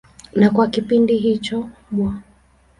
Na kwa kipindi hicho Bw.